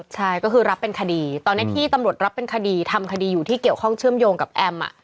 ใช่ก็คือรับเป็นคดีตอนนี้ที่ตำรวจรับเป็นคดีทำคดีอยู่ที่เกี่ยวข้องเชื่อมโยงกับแอม